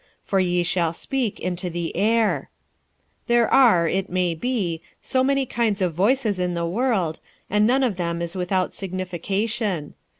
for ye shall speak into the air. 46:014:010 There are, it may be, so many kinds of voices in the world, and none of them is without signification.